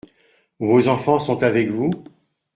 Vos enfants sont avec vous ?